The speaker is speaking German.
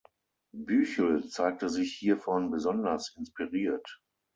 Büchel zeigte sich hiervon besonders inspiriert.